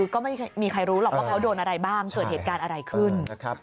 ก็ไม่มีใครรู้หรอกว่าเขาโดนอะไรบ้างเกิดเหตุการณ์อะไรขึ้น